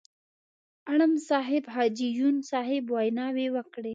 اړم صاحب، حاجي یون صاحب ویناوې وکړې.